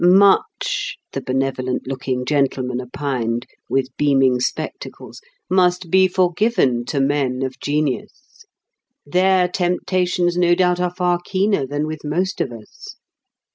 Much, the benevolent looking gentleman opined, with beaming spectacles, must be forgiven to men of genius. Their temptations no doubt are far keener than with most of us.